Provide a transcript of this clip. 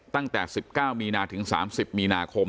ตั้งแต่๑๙มีนาถึง๓๐มีนาคม